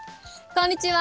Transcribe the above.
こんにちは。